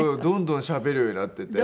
どんどんしゃべるようになってて。